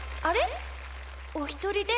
おひとりですか？